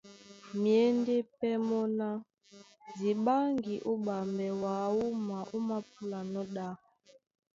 Myěndé pɛ́ mɔ́ ná :Di ɓáŋgi ó ɓambɛ wǎ wúma ómāpúlanɔ́ ɗá.